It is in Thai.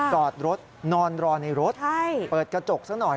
จอดรถนอนรอในรถเปิดกระจกซะหน่อย